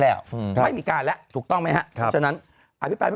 แล้วอืมไม่มีการแล้วถูกต้องไหมครับเพราะฉะนั้นอภิปรายไม่